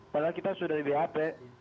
padahal kita sudah di bap